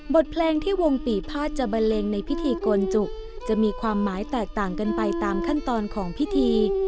บทเพลงที่วงปีภาษจะบันเลงในพิธีโกนจุจะมีความหมายแตกต่างกันไปตามขั้นตอนของพิธี